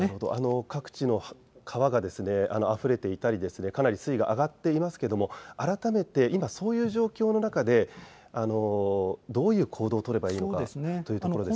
各地の川があふれていたりかなり水位が上がっていますが改めて今、そういう状況の中でどういう行動をとればいいのかというところです。